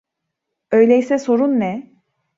Öyleyse sorun ne?